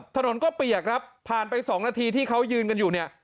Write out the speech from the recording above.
ถนนก็เปียกครับผ่านไป๒นาทีที่เขายืนกันอยู่เนี่ย